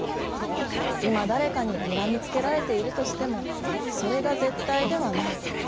今誰かににらみつけられているとしてもそれが絶対ではない。